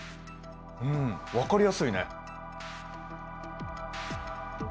うん分かりやすいね。